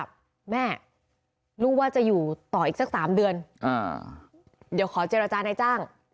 แม่ลูกว่าจะอยู่ต่ออีกสักสามเดือนเดี๋ยวขอเจรจานายจ้าง